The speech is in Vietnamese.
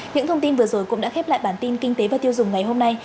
những thông tin vừa rồi cũng đã khép lại bản tin kinh tế và tiêu dùng ngày hôm nay